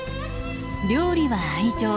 「料理は愛情」。